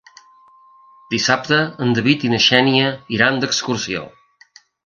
Dissabte en David i na Xènia iran d'excursió.